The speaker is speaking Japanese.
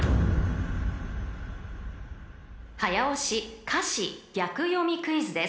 ［早押し歌詞逆読みクイズです］